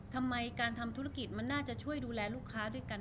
ทำไมการทำธุรกิจมันน่าจะช่วยดูแลลูกค้าด้วยกัน